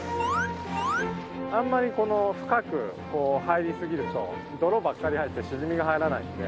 あんまり深くこう入りすぎると泥ばっかり入ってしじみが入らないので。